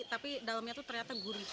tapi dalamnya tuh ternyata gurih